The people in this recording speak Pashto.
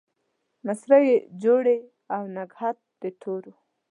مسرۍ يې جوړې د نګهت د تورو